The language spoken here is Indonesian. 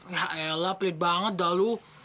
ya elah pelit banget dah lo